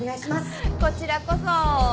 こちらこそ！